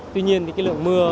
tuy nhiên cái lượng mưa